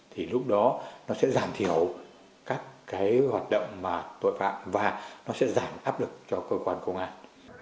thì lúc đó nó sẽ giảm thiểu các cái hoạt động mà tội phạm và nó sẽ giảm áp lực cho cơ quan công an